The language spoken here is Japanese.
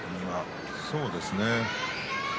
そうですね。